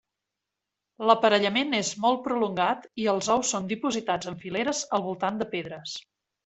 L'aparellament és molt prolongat i els ous són dipositats en fileres al voltant de pedres.